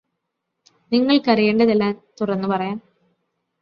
നിങ്ങൾക്കറിയെണ്ടതെല്ലാം തുറന്നു പറയാം